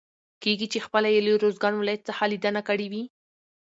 کېږي چې خپله يې له روزګان ولايت څخه ليدنه کړي وي.